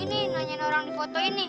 ini nanyain orang di foto ini